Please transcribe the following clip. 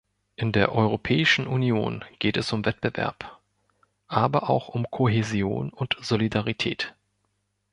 In der Europäischen Union geht es um Wettbewerb, aber auch um Kohäsion und Solidarität.